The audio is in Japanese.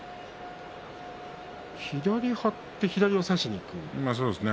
左張って左を差しにいったんですね。